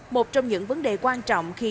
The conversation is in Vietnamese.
một trong những vấn đề quan trọng khi